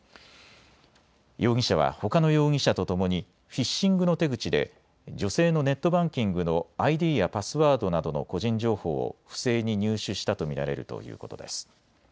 容疑者はほかの容疑者とともにフィッシングの手口で女性のネットバンキングのＩＤやパスワードなどの個人情報を不正に入手したと見られるということです。